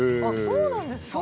そうなんです。